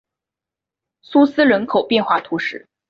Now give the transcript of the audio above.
苏斯人口变化图示